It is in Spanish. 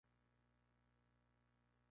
Fue rodada en Bulgaria.